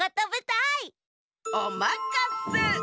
おまかせ。